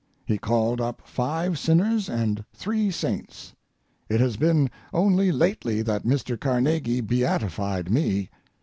He called up five sinners and three saints. It has been only lately that Mr. Carnegie beatified me.